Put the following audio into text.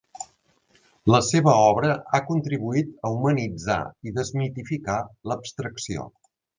La seva obra ha contribuït a humanitzar i desmitificar l’abstracció.